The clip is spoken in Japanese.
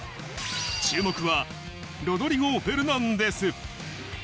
注目はロドリゴ・フェルナンデス。